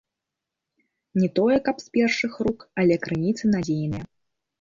Не тое каб з першых рук, але крыніцы надзейныя.